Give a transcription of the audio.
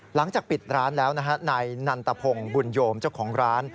หลังจากปิดร้านแล้วนะฮะนายนันตพงศ์บุญโยมเจ้าของร้าน